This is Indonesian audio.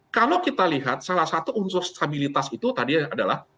kalau kita lihat salah satu unsur stabilitas itu tadi adalah